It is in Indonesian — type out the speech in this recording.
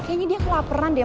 kayanya dia kelaperan deh